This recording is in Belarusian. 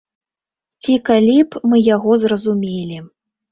Ці калі б мы яго зразумелі.